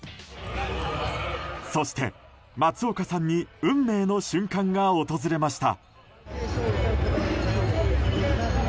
そして、松岡さんに運命の瞬間が訪れました。